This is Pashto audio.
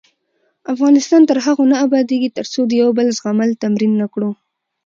افغانستان تر هغو نه ابادیږي، ترڅو د یو بل زغمل تمرین نکړو.